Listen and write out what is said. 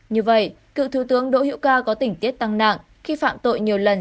như vậy cựu thư tướng đỗ hiệu ca có tỉnh tiết tăng nặng khi phạm tội nhiều lần